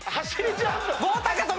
⁉棒高跳び。